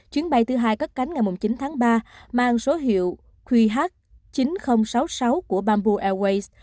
chuyến bay thứ hai cất cánh ngày chín tháng ba mang số hiệu qh chín nghìn sáu mươi sáu của bamboo airways